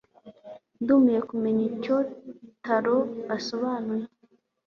Ndumiwe kumenya icyo Taro asobanura.